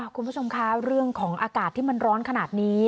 คุณผู้ชมคะเรื่องของอากาศที่มันร้อนขนาดนี้